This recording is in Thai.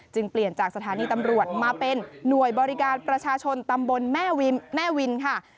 เปลี่ยนจากสถานีตำรวจมาเป็นหน่วยบริการประชาชนตำบลแม่วินค่ะ